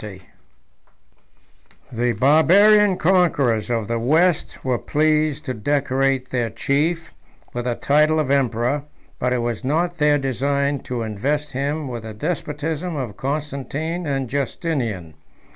] The Barbarian conquerors of the West were pleased to decorate their chief with the title of emperor; but it was not their design to invest him with the despotism of Constantine and Justinian.